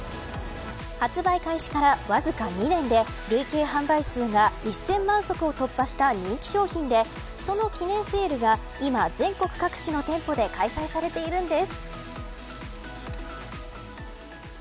発売開始から、わずか２年で累計販売数が１０００万足を突破した人気商品でその記念セールが今、全国各地の店舗で開催されているんです。